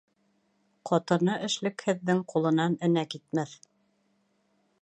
Ҡатыны эшлекһеҙҙең ҡулынан энә китмәҫ.